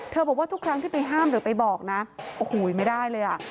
บอกว่าทุกครั้งที่ไปห้ามหรือไปบอกนะโอ้โหไม่ได้เลยอ่ะ